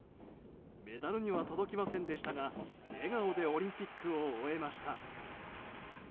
メダルには届きませんでしたが笑顔でオリンピックを終えました。